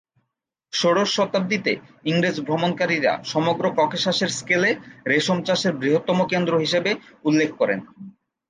ষোড়শ শতাব্দীতে ইংরেজ ভ্রমণকারীরা সমগ্র ককেশাসের স্কেলে রেশম চাষের বৃহত্তম কেন্দ্র হিসেবে উল্লেখ করেন।